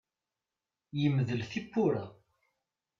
Yemdel tiwwura.